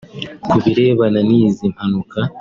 Ku birebana n’izi mpanuka